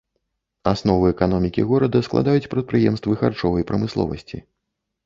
Аснову эканомікі горада складаюць прадпрыемствы харчовай прамысловасці.